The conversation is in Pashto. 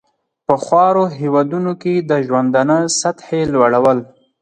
په خوارو هېوادونو کې د ژوندانه سطحې لوړول.